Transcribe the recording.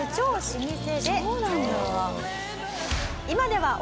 そうなんだ。